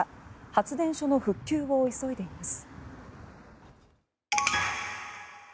発電所の復旧を急いでいます。